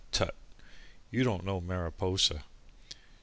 tut! You don't know Mariposa.